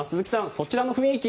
そちらの雰囲気